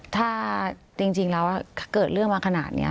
ถ้าจริงแล้วเกิดเรื่องมาขนาดนี้